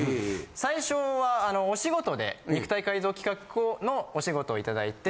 最初はお仕事で肉体改造企画のお仕事をいただいて。